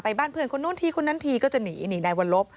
บ้านเพื่อนคนนู้นทีคนนั้นทีก็จะหนีหนีนายวรลบ